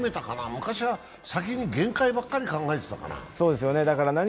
昔は、先に限界ばっかり考えてたかな？